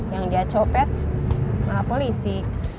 yang dia copet polisi